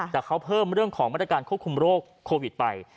แต่เขาเพิ่มเรื่องของมาตรการควบคุมโรคโควิดไป